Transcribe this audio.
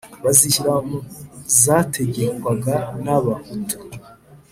bazishyira mu zategekwaga n'abahutu.